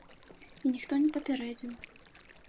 І ніхто не папярэдзіў.